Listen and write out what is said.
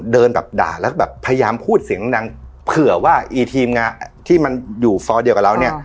เดินแบบด่าแล้วแบบพยายามพูดเสียงดังเผื่อว่าอีทีมงานที่มันอยู่ฟอร์เดียวกับเราเนี่ย